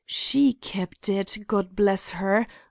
She kept it—God bless her!